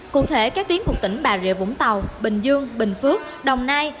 cụ thể các tuyến của tỉnh bà rịa vũng tàu bình dương bình phước đồng nai